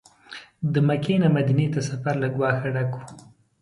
له مکې نه مدینې ته سفر له ګواښه ډک و.